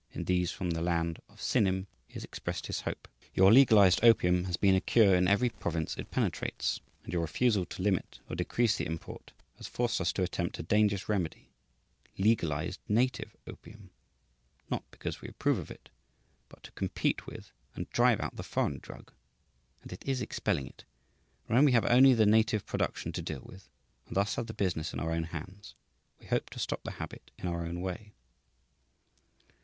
In "These from the Land of Sinim" he has expressed his hope: "Your legalized opium has been a cure in every province it penetrates, and your refusal to limit or decrease the import has forced us to attempt a dangerous remedy legalized native opium not because we approve of it, but to compete with and drive out the foreign drug; and it is expelling it, and when we have only the native production to deal with, and thus have the business in our own hands, we hope to stop the habit in our own way."